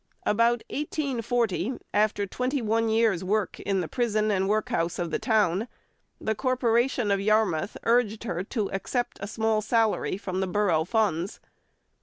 About 1840, after twenty one years' work in the prison and workhouse of the town, the Corporation of Yarmouth urged her to accept a small salary from the borough funds.